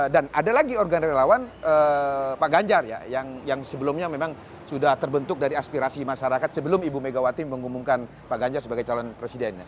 dan ada lagi organ relawan pak ganjar ya yang sebelumnya memang sudah terbentuk dari aspirasi masyarakat sebelum ibu megawati mengumumkan pak ganjar sebagai calon presiden